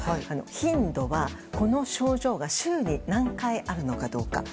頻度は、この症状が週に何回あるのかどうか。